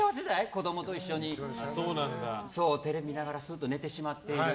子供と一緒にテレビ見ながらすっと寝てしまっている。